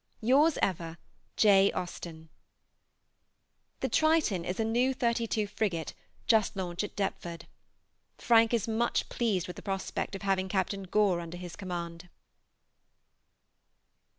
Yours ever, J. AUSTEN. The "Triton" is a new 32 frigate just launched at Deptford. Frank is much pleased with the prospect of having Captain Gore under his command.